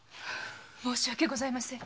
申し訳ございませぬ。